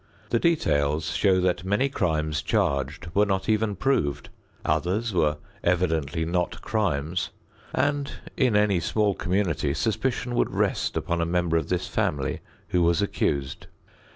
The details show that many crimes charged were not even proved, others were evidently not crimes, and in any small community suspicion would rest upon a member of this family who was accused.